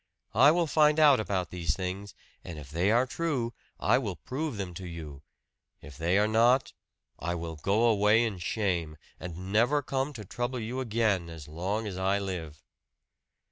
I will find out about these things; and if they are true, I will prove them to you. If they are not, I will go away in shame, and never come to trouble you again as long as I live."